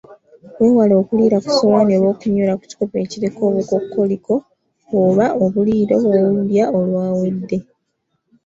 Weewale okuliira ku ssowaani oba okunywera ku kikopo ekiriko obukokkoliko, oba obuliiro bw‘olulya olwawedde.